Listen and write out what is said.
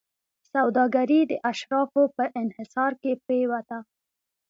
سوداګري د اشرافو په انحصار کې پرېوته.